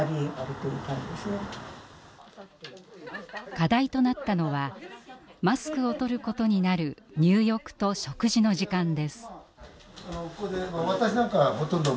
課題となったのはマスクをとることになる入浴と食事の時間です。